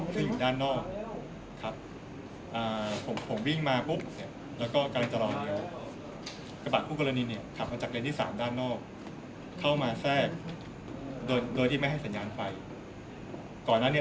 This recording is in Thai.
เขาแฟกเข้ามาโดยไม่สัญญาณไป